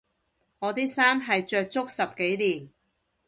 我啲衫係着足十幾年